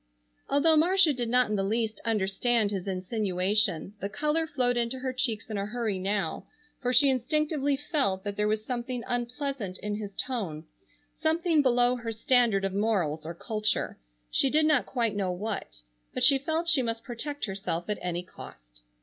Although Marcia did not in the least understand his insinuation, the color flowed into her cheeks in a hurry now, for she instinctively felt that there was something unpleasant in his tone, something below her standard of morals or culture, she did not quite know what. But she felt she must protect herself at any cost.